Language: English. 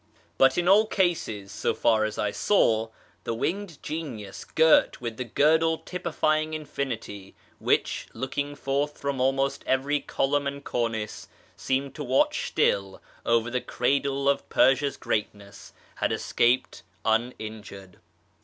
But in all cases, so far as I saw, the winged genius girt with the girdle typifying infinity, which, looking forth from almost every column and cornice, seemed to watch still over the cradle of Persia's greatness, had escaped uninjured.